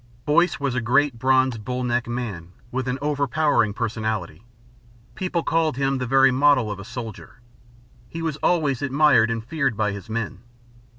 Boyce was a great bronzed, bull necked man, with an overpowering personality. People called him the very model of a soldier. He was always admired and feared by his men.